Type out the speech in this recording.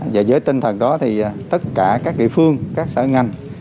và với tinh thần đó thì tất cả các địa phương các sở ngành